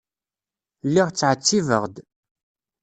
Lliɣ ttɛettibeɣ-d.